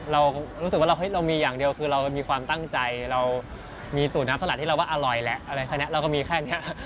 เรารู้สึกว่าเรามีอย่างเดียวคือเรามีความตั้งใจเรามีสูตรน้ำสลัดที่เราว่าอร่อยแล้วอะไรแค่นี้เราก็มีแค่นี้